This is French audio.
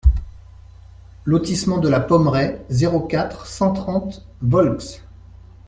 Lotissement de la Pommeraie, zéro quatre, cent trente Volx